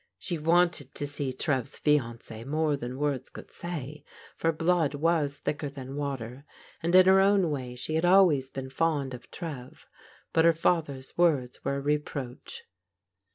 She wanted to see Trev's fiancee more than words could say, for blood was thicker than water, and in her own way she had always been fond of Trev, but her father's words were a reproach.